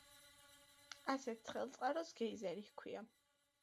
ასეთ ცხელ წყაროს გეიზერი ჰქვია.